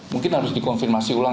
mungkin harus dikonfirmasi ulang